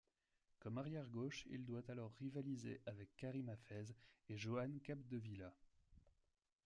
Comme arrière gauche, il doit alors rivaliser avec Karim Hafez et Joan Capdevila.